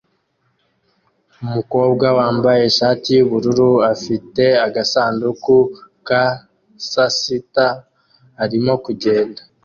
Umukobwa wambaye ishati yubururu afite agasanduku ka sasita arimo kugenda